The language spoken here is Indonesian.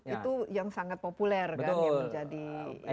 itu yang sangat populer kan yang menjadi